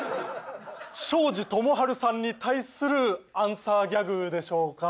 庄司智春さんに対するアンサーギャグでしょうか。